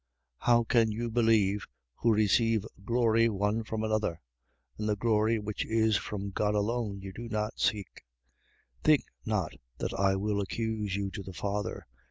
5:44. How can you believe, who receive glory one from another: and the glory which is from God alone, you do not seek? 5:45. Think not that I will accuse you to the Father.